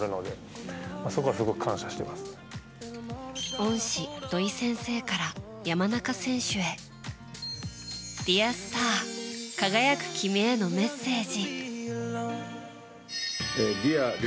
恩師、土井先生から山中選手へ「Ｄｅａｒｓｔａｒ輝く君へのメッセージ」。